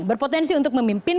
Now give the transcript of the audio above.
berpotensi untuk memimpin